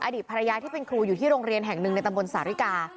อดีตภรรยาที่เป็นครูอยู่ที่โรงเรียนแห่งหนึ่งในตำบลสาริกา